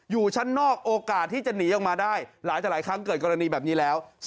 อยู่ชั้นนอกโอกาสที่จะหนีออกมาได้หลายต่อหลายครั้งเกิดกรณีแบบนี้แล้ว